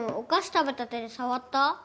食べた手で触った？